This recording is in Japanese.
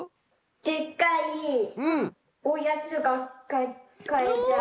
でっかいおやつがかえちゃう。